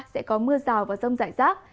sẽ có mưa rào và rông rải rác